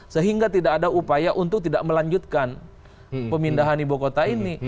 karena tidak ada upaya untuk tidak melanjutkan pemindahan ibu kota ini